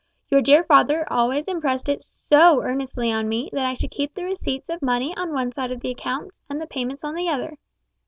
Your dear father always impressed it so earnestly on me that I should keep the receipts of money on one side of the accounts, and the payments on the other.